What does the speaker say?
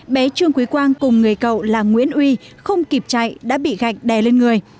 bé trương quý quang cùng người cậu là nguyễn uy không kịp chạy đã bị gạch đè lên người